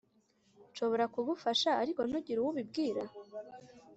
nshobora kugufasha ariko ntugire uwo ubibwira?